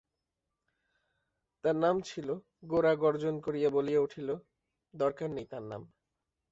তাঁর নাম ছিল– গোরা গর্জন করিয়া বলিয়া উঠিল, দরকার নেই তাঁর নাম।